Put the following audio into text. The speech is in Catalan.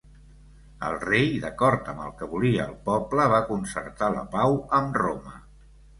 El rei, d'acord amb el que volia el poble, va concertar la pau amb Roma.